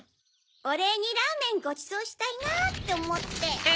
おれいにラーメンごちそうしたいなっておもって。